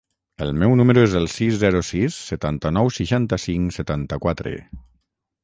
El meu número es el sis, zero, sis, setanta-nou, seixanta-cinc, setanta-quatre.